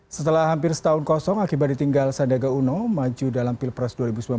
setelah hampir setahun kosong akibat ditinggal sandiaga uno maju dalam pilpres dua ribu sembilan belas